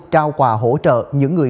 trao quà hỗ trợ những người